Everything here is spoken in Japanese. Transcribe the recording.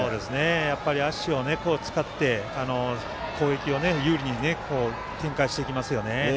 やっぱり、足を使って攻撃を有利に展開していきますよね。